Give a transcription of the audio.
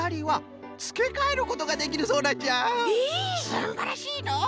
すんばらしいのう！